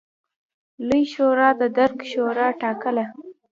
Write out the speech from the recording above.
لویې شورا د دوک شورا ټاکله.